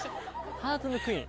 ハートのクイーン